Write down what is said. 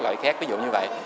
loại khác ví dụ như vậy